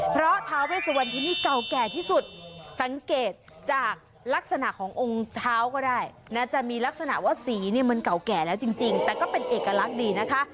เพราะท้าเวสวันที่นี่เก่าแก่ที่สุดสังเกตจากลักษณะขององค์เท้าก็ได้นะจะมีลักษณะว่าสีเนี่ยมันเก่าแก่แล้วจริงแต่ก็เป็นเอกลักษณ์ดีนะคะ